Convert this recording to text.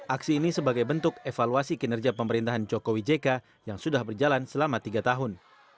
aksi ini sebagai bentuk evaluasi kinerja pemerintahan jokowi jk yang sudah berjalan selama tiga tahun